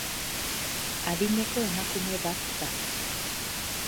Adineko emakume bat da.